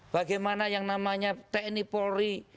bagaimana yang namanya teknipolri